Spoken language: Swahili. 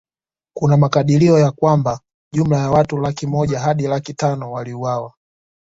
Kuna makadirio ya kwamba jumla ya watu laki moja Hadi laki tano waliuawa